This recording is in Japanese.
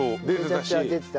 めちゃくちゃ出てた。